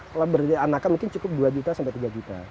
kalau berada di anakan mungkin cukup dua sampai tiga juta